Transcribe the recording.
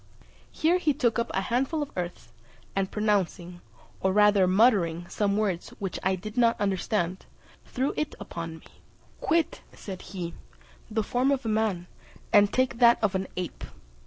Here he took up a handful of earth, and pronouncing, or rather muttering, some words which I did not understand, threw it upon me. "Quit," said he, "the form of a man, and take that of an ape."